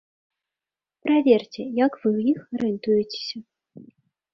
Праверце, як вы ў іх арыентуецеся.